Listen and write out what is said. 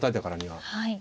はい。